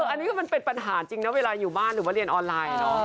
อันนี้เป็นปัญหาจริงเวลาอยู่บ้านหรือว่าเรียนออนไลน์